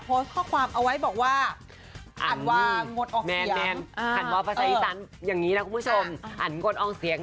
โพสต์ข้อความเอาไว้บอกว่าอันวางงดออกเสียง